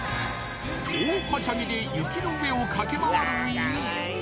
大はしゃぎで雪の上を駆け回る犬